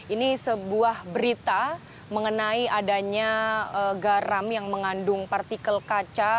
ini sebuah berita mengenai adanya garam yang mengandung partikel kaca